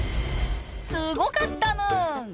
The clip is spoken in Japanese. すごかったぬん！